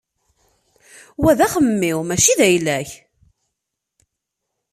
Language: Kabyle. Wa d axemmem-iw mačči d ayla-k.